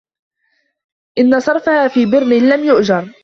إنْ صَرَفَهَا فِي بِرٍّ لَمْ يُؤْجَرْ